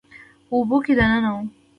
په اوبو کې دننه وم